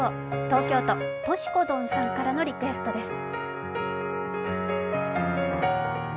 東京都・としこどんさんからのリクエストです。